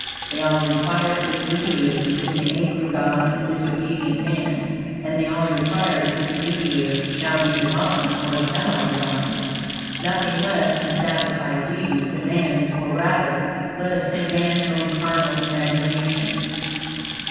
They all require a mediator between the angry God and disobedient man, and they all require that this mediator shall be Divine, or semi Divine. Nothing less can satisfy Deity's demands; or, rather, let us say man's own carnal imagination.